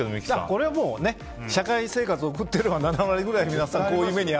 これは社会生活を送っていれば７割ぐらい、皆さんこういう目に。